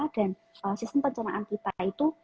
dan sistem pencernaan kita itu